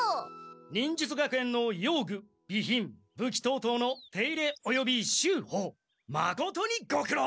忍術学園の用具備品武器等々の手入れおよび修補まことにごくろう！